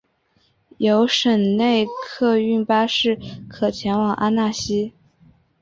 有省内客运巴士可前往阿讷西。